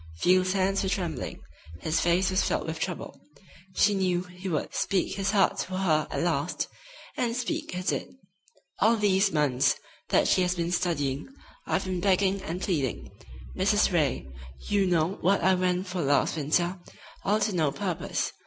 Field's hands were trembling, his face was filled with trouble. She knew he would speak his heart to her at last, and speak he did: "All these months that she has been studying I've been begging and pleading, Mrs. Ray. You know what I went for last winter, all to no purpose.